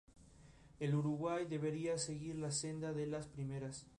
El Uruguay debería seguir la senda de las primeras.